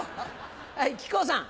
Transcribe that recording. はい木久扇さん。